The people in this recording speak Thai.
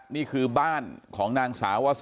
นางมอนก็บอกว่า